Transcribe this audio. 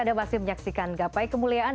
anda masih menyaksikan gapai kemuliaan